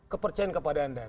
kepercayaan kepada anda